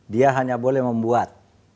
dia hanya boleh membuat